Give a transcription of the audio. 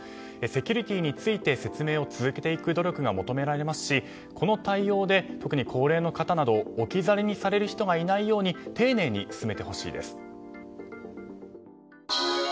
セキュリティーについて説明を続けていく努力が求められますし、この対応で特に高齢の方など置き去りにされる人がいないように丁寧に進めてほしいです。